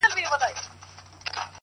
دلته جنګونه کیږي-